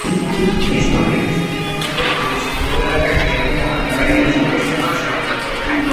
বিস্ফোরণের কিছুক্ষণের মধ্যে পুলিশ পুরো এলাকা ঘিরে ফেলে হামলাকারীদের সঙ্গে সংঘর্ষে জড়িয়ে পড়ে।